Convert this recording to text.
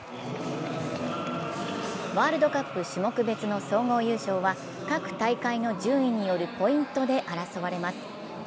ワールドカップ種目別の総合優勝は各大会の順位によるポイントで争われます。